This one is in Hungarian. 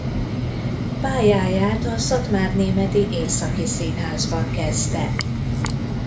Pályáját a Szatmárnémeti Északi Színházban kezdte.